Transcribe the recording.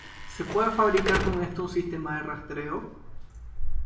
¿ se puede fabricar con esto un sistema de rastreo?